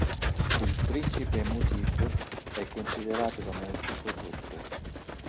Il principe Mutʿib è considerato da molti corrotto.